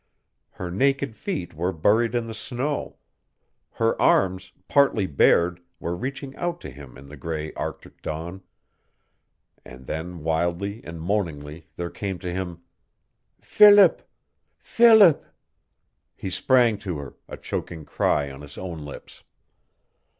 Her naked feet were buried in the snow. Her arms, partly bared, were reaching out to him in the gray Arctic dawn, and then wildly and moaningly there came to him "Philip Philip " He sprang to her, a choking cry on his own lips.